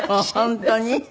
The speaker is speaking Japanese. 本当に？